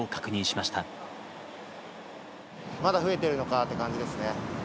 まだ増えてるのかっていう感じですね。